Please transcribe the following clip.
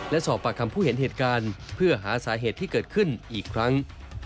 และสอบปากคำผู้เห็นเหตุการณ์เพื่อหาสาเหตุที่เกิดขึ้นอีกครั้ง